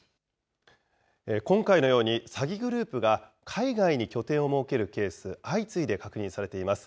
今回のように、詐欺グループが海外に拠点を設けるケース、相次いで確認されています。